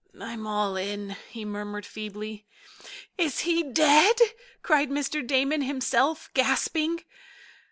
"I'm all in," he murmured feebly. "Is he dead?" cried Mr. Damon, himself gasping.